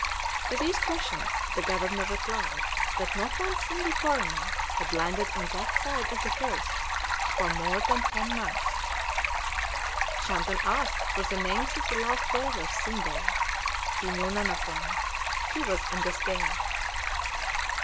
To these questions the governor replied that not one single foreigner had landed on that side of the coast for more than ten months. Shandon asked for the names of the last whalers seen there; he knew none of them. He was in despair.